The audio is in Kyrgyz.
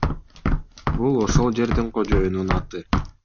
Бул ошол жердин кожоюнунун аты.